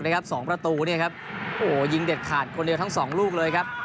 สองผลาประตูโอโหยิงเด็ดขาดคนเดียวทั้งสองลูกเลยครับ